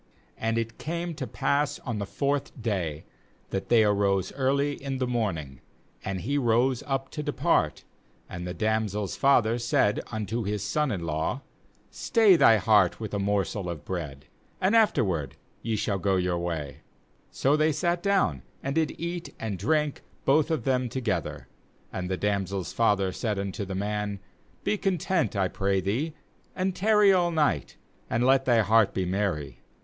5And it came to pass on the fourth day, that they arose early in the morning, and he rose up to depart; and the damsel's father said unto his son in law: 'Stay thy heart with a morsel of bread, and afterward ye shall go your way/ 6So they sat down, and did eat and drink, both of them to gether; and the damsel's father said unto the man: 'Be content, I pray thee, and tarry all night, and let thy heart be merry.